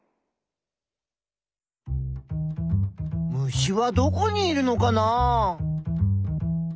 虫はどこにいるのかな？